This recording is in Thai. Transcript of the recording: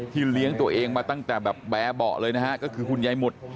ที่เลี้ยงตัวเองมาตั้งแต่แบบแบ๋บอกเลยนะครับก็คือคุณยายหมุด